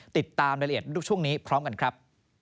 ติดตามรายละเอียดช่วงนี้พร้อมกันครับ